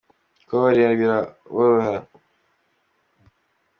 kubabarira birabohora.